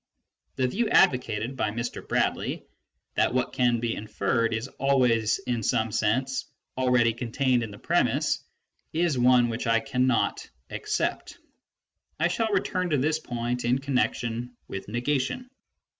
The view advocated by Mr. Bradley, that what can be inferred is always in some sense already contained in the premiss, is one which I cannot accept. I shall re turn to this point in connexion with negation.